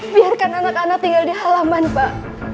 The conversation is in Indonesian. biarkan anak anak tinggal di halaman pak